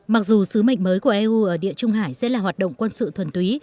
mặc dù sứ mệnh mới của eu ở địa trung hải sẽ là hoạt động quân sự thuần túy